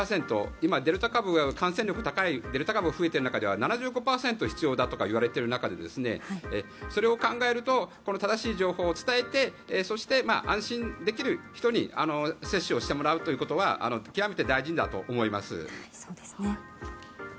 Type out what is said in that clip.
今、感染力高いデルタ株が増えている中では７５％必要だとか言われている中でそれを考えると正しい情報を伝えてそして安心できる人に接種をしてもらうということは極めて大事だと思います。